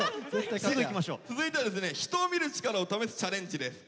続いてはですね人を見る力を試すチャレンジです。